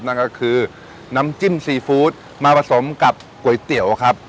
นั่นก็คือน้ำจิ้มซีฟู้ดมาผสมกับก๋วยเตี๋ยวครับ